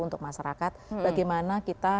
untuk masyarakat bagaimana kita